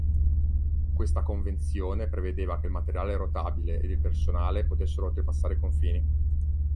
Questa convenzione prevedeva che il materiale rotabile e il personale potessero oltrepassare i confini.